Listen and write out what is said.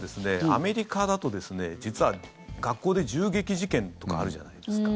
アメリカだと、実は学校で銃撃事件とかあるじゃないですか。